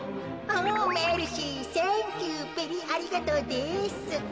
おメルシーサンキューベリーありがとうです。